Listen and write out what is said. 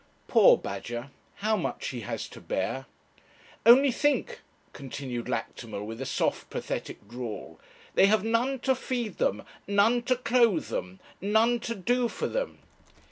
Poor Badger, how much he has to bear! 'Only think,' continued Lactimel, with a soft pathetic drawl, 'they have none to feed them, none to clothe them, none to do for them!'